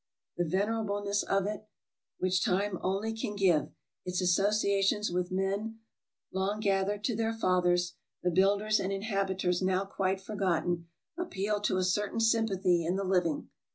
The venerableness of it, which time only can give, its associations with men long gathered to their fathers, the builders and inhabiters now quite forgotten, appeal to a certain sympathy in the living.